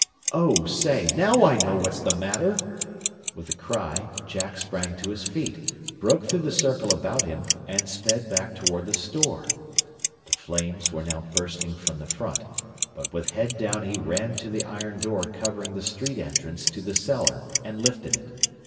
"Oh say! Now I know what's the matter!" With the cry Jack sprang to his feet, broke through the circle about him, and sped back toward the store. The flames were now bursting from the front, but with head down he ran to the iron door covering the street entrance to the cellar, and lifted it.